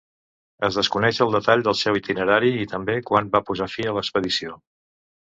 Es desconeix el detall del seu itinerari i també quan va posar fi a l'expedició.